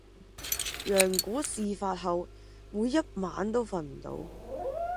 羊牯事發後「每一晚都瞓唔到」。